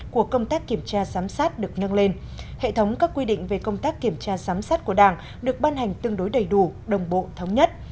của công tác kiểm tra giám sát được nâng lên hệ thống các quy định về công tác kiểm tra giám sát của đảng được ban hành tương đối đầy đủ đồng bộ thống nhất